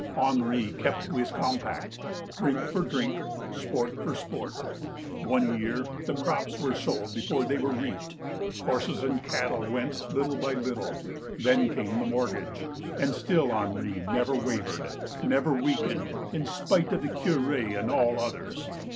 Henri kept to his compact, drink for drink, sport for sport. One year the crops were sold before they were reaped, horses and cattle went little by little, then came mortgage, and still Henri never wavered, never weak ened, in spite of the Cure and all others.